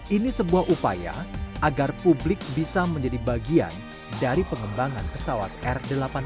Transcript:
ini sebuah upaya agar publik bisa menjadi bagian dari pengembangan pesawat r delapan puluh dua